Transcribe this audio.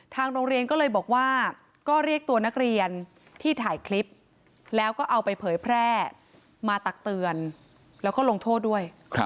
ทางโรงเรียนก็เลยบอกว่าก็เรียกตัวนักเรียนที่ถ่ายคลิปแล้วก็เอาไปเผยแพร่มาตักเตือนแล้วก็ลงโทษด้วย